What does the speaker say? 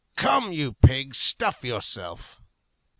Come, you pig, stuff yourself!"